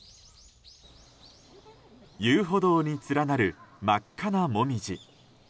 遊歩道に連なる真っ赤なモミジ。